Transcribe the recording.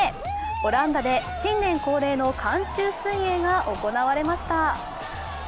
オランダで新年恒例の寒中水泳が行われました。